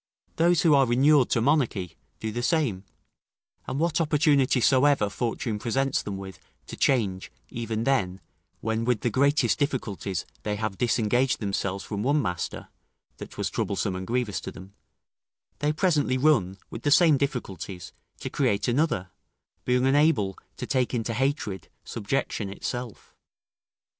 Those who are inured to monarchy do the same; and what opportunity soever fortune presents them with to change, even then, when with the greatest difficulties they have disengaged themselves from one master, that was troublesome and grievous to them, they presently run, with the same difficulties, to create another; being unable to take into hatred subjection itself.